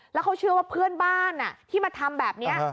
แล้วเขาเชื่อว่าเพื่อนบ้านที่มาทำแบบนี้